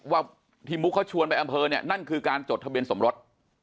ว่าที่มุกเขาชวนไปอำเภอเนี่ยนั่นคือการจดทะเบียนสมรส